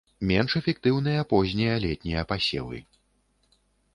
Менш эфектыўныя познія летнія пасевы.